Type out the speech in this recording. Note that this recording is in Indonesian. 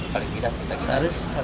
paling tidak sebetulnya